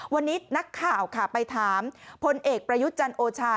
วันนี้นักข่าวค่ะไปถามพลเอกประยุทธ์จันทร์โอชา